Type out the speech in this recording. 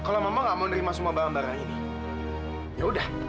kalau mama nggak mau terima semua barang barang ini yaudah